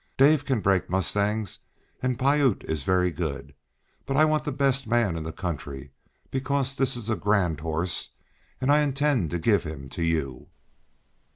Dave can break mustangs, and Piute is very good; but I want the best man in the country, because this is a grand horse, and I intend to give him to you."